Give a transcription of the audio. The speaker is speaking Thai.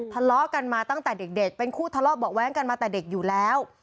ทะเลาะกันมาตั้งแต่เด็กเป็นคู่ทะเลาะเบาะแว้งกันมาแต่เด็กอยู่แล้ว